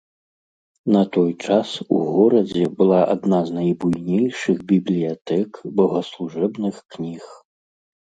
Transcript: На той час у горадзе была адна з найбуйнейшых бібліятэк богаслужэбных кніг.